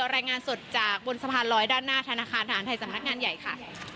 รายงานสดจากบนสะพานลอยด้านหน้าธนาคารทหารไทยสำนักงานใหญ่ค่ะ